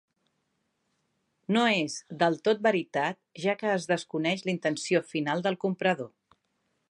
No és del tot veritat, ja que es desconeix la intenció final del comprador.